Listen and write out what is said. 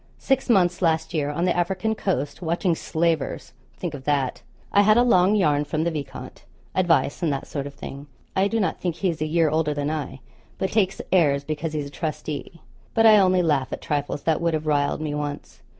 Six months, last year, on the African coast, watching slavers think of that! I had a long yarn from the viscount advice, and that sort of thing. I do not think he is a year older than I, but takes airs because he's a trustee. But I only laugh at trifles that would have riled me once.